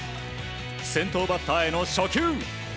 先頭バッターへの初球。